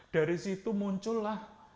dari situ muncullah